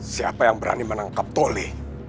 siapa yang berani menangkap tole